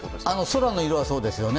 空の色はそうですね。